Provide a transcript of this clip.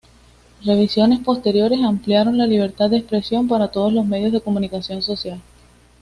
Revisiones posteriores ampliaron la libertad de expresión para todos los medios de comunicación social.